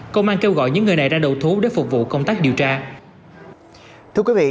công an kêu gọi những người này ra đầu thú để phục vụ công tác điều tra